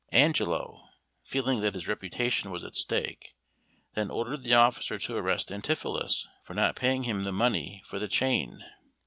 Angelo, feeling that his reputation was at stake, then ordered the officer to arrest Antipholus for not paying him the money for the chain.